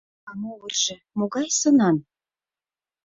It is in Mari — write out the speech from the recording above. А могыржо могай сынан?